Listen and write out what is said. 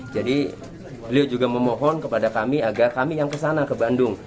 jadi beliau juga memohon kepada kami agar kami yang kesana ke bandung